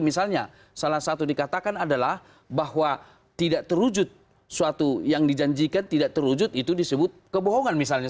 misalnya salah satu dikatakan adalah bahwa tidak terwujud suatu yang dijanjikan tidak terwujud itu disebut kebohongan misalnya